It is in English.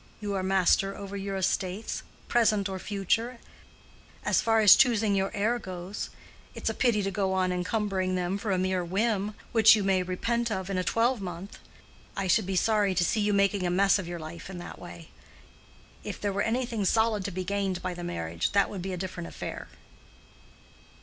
You are master over your estates, present or future, as far as choosing your heir goes; it's a pity to go on encumbering them for a mere whim, which you may repent of in a twelvemonth. I should be sorry to see you making a mess of your life in that way. If there were anything solid to be gained by the marriage, that would be a different affair."